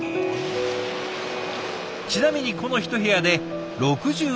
ちなみにこの１部屋で６０万パック分。